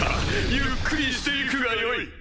ゆっくりしていくがよい！